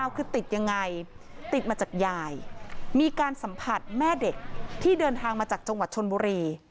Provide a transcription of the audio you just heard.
คือติดยังไงติดมาจากยายมีการสัมผัสแม่เด็กที่เดินทางมาจากจังหวัดชนบุรี